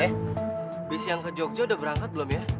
habis yang ke jogja udah berangkat belum ya